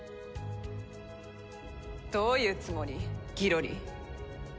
どういうつもり？ギロリ。